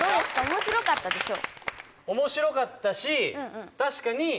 面白かったでしょ？